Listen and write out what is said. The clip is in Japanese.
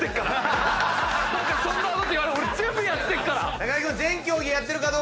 そんなこと俺全部やってっから！